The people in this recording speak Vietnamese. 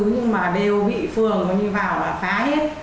nhưng mà đều bị phường và như vào là phá hết